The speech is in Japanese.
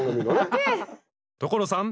所さん